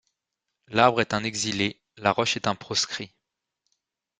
L’arbre est un exilé, la roche est un proscrit.